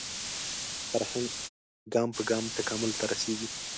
فرهنګ ګام په ګام تکامل ته رسېږي